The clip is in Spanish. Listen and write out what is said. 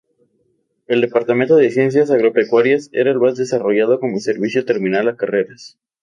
El Departamento de Ciencias Agropecuarias era el más desarrollado como servicio terminal a carreras.